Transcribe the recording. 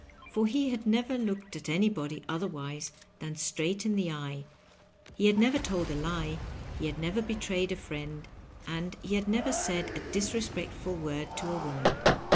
For he had never looked at anybody otherwise than straight in the eye, he had never told a lie, he had never betrayed a friend, and he had never said a disrespectful word to a woman.